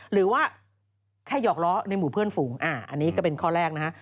หรือว่าแค่หยอกล้อในหมู่เพื่อนฝูงอันนี้ก็เป็นข้อแรกนะฮะ